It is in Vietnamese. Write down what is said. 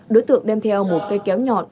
đối tượng đem theo một cây kéo nhọn